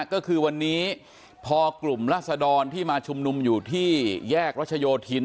ก็คือวันนี้พอกลุ่มรัศดรที่มาชุมนุมอยู่ที่แยกรัชโยธิน